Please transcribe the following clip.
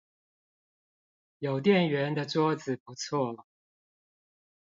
有電源的桌子不錯